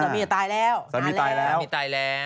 คุณสามีจะตายแล้ว